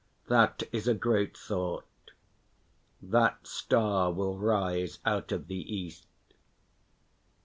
That is a great thought. That star will rise out of the East.